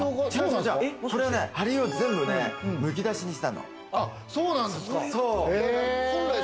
梁を全部ね、むき出しにしたの。